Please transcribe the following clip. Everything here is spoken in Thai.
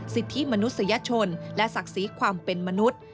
สิทธิมนุษยชนและศักดิ์ศรีความเป็นมนุษย์